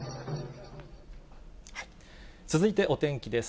続いてお天気です。